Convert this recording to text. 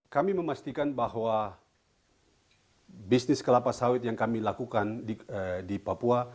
kami memastikan bahwa bisnis kelapa sawit yang kami lakukan di papua